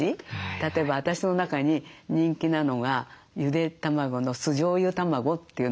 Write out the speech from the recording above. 例えば私の中に人気なのがゆで卵の酢じょうゆ卵というのがあるんですけど。